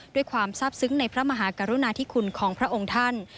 ด้วยความทราบซึ้งในพระมหากรุณาธิคุณของพระองค์ท่าน